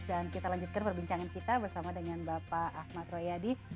dan kita lanjutkan perbincangan kita bersama dengan bapak ahmad royyadi